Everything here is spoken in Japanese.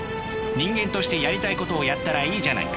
人間としてやりたいことをやったらいいじゃないか。